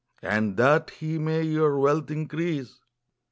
I And that he may your wealth increase